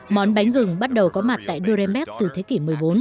món bánh gừng bắt đầu có mặt tại nuremberg từ thế kỷ một mươi bốn